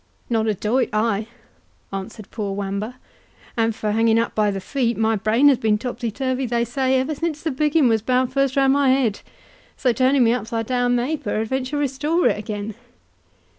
"Not a doit I," answered poor Wamba—"and for hanging up by the feet, my brain has been topsy turvy, they say, ever since the biggin was bound first round my head; so turning me upside down may peradventure restore it again."